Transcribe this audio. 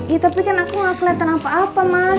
ya tapi kan aku gak kelihatan apa apa mas